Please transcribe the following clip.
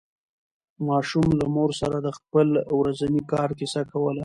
ماشوم له مور سره د خپل ورځني کار کیسه کوله